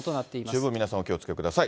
十分皆さん、お気をつけください。